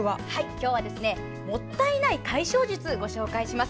今日はもったいない解消術をご紹介します。